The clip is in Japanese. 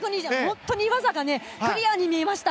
技がクリアに見えました。